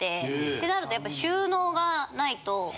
ってなるとやっぱ収納がないと。